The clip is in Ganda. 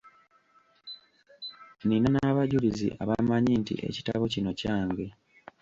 Nnina n'abajulizi abamanyi nti ekitabo kino kyange.